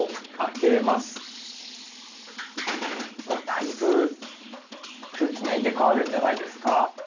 だいぶ空気が入れ替わるんじゃないですか。